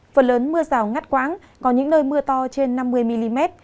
phần lớn mưa rào ngắt quãng có những nơi mưa to trên năm mươi mm